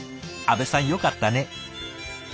阿部さんよかったね。